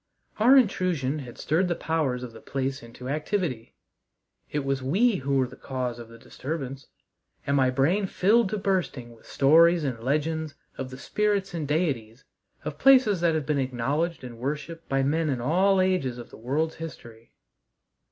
Our intrusion had stirred the powers of the place into activity. It was we who were the cause of the disturbance, and my brain filled to bursting with stories and legends of the spirits and deities of places that have been acknowledged and worshiped by men in all ages of the world's history.